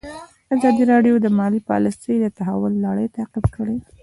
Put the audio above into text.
ازادي راډیو د مالي پالیسي د تحول لړۍ تعقیب کړې.